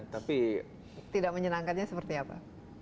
tidak menyenangkannya seperti apa